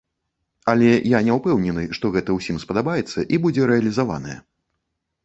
Але я не ўпэўнены, што гэта ўсім спадабаецца і будзе рэалізаванае.